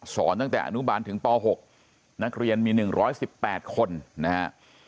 ตั้งแต่อนุบาลถึงป๖นักเรียนมี๑๑๘คนนะฮะ